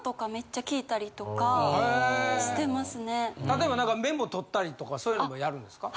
例えば何かメモ取ったりとかそういうのもやるんですか？